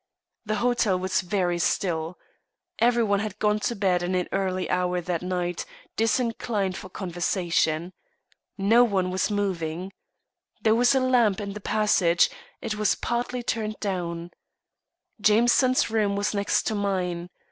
The hotel was very still. Everyone had gone to bed at an early hour that night, disinclined for conversation. No one was moving. There was a lamp in the passage; it was partly turned down. Jameson's room was next to mine.